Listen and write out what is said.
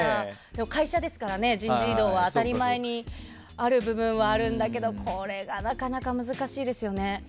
でも会社ですと人事異動は当たり前にある部分はあるんだけど、これがなかなか難しいですよね。